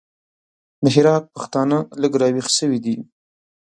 د هرات پښتانه لږ راوېښ سوي دي.